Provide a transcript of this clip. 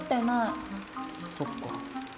そっか。